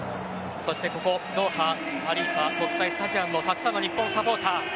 そしてここドーハハリーファ国際スタジアムのたくさんの日本サポーター。